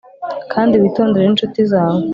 kandi witondere n'incuti zawe